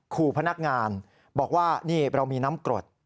ขู่พนักงานบอกว่านี่เรามีน้ำกรด